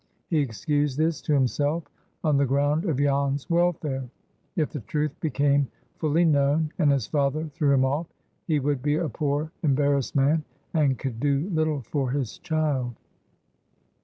He excused this to himself on the ground of Jan's welfare. If the truth became fully known, and his father threw him off, he would be a poor embarrassed man, and could do little for his child.